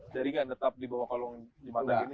jadi nggak tetap di bawah kolong di mata gini nggak